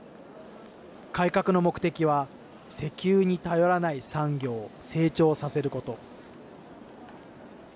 改革の目的は石油に頼らない産業を成長させること。